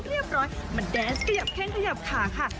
ตอนลูกสาววานเรียบร้อยมาแดนส์ขยับแข้งขยับขาค่ะ